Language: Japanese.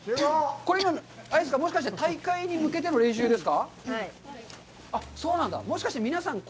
これ、今、あれですか、もしかして、大会に向けての練習ですか。